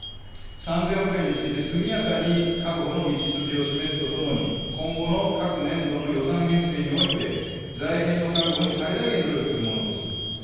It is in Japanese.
３０００億円について速やかに確保の道筋を示すとともに、今後の各年度の予算編成において、財源の確保に最大限努力するものとすると。